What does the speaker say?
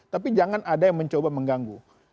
tapi jangan ada yang mencoba mengganggu